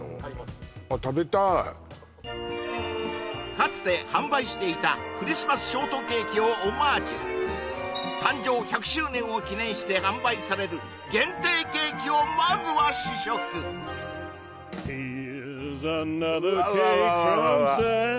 かつて販売していたクリスマスショートケーキをオマージュ誕生１００周年を記念して販売される限定ケーキをまずは試食Ｈｅｒｅ’ｓａｎｏｔｈｅｒｃａｋｅｆｒｏｍ